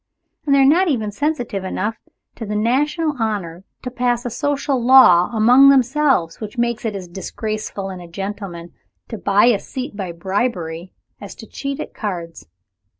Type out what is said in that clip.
And they are not even sensitive enough to the national honor to pass a social law among themselves which makes it as disgraceful in a gentleman to buy a seat by bribery as to cheat at cards.